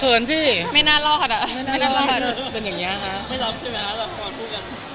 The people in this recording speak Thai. คือการแสดงอย่างที่มีบางคนอยู่